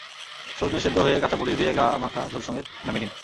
শজনে সেদ্ধ হয়ে গেলে কাঁচা মরিচ দিয়ে গা-মাখা ঝোলসমেত নামিয়ে নিন।